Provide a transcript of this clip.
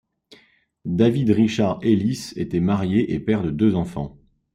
David Richard Ellis était marié et père de deux enfants.